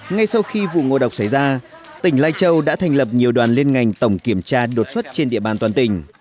ngay sau khi vụ ngộ độc xảy ra tỉnh lai châu đã thành lập nhiều đoàn liên ngành tổng kiểm tra đột xuất trên địa bàn toàn tỉnh